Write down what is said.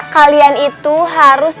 kalian itu harus